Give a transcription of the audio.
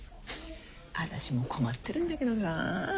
あたしも困ってるんだけどさ。